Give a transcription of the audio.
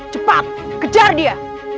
cepat kejar dia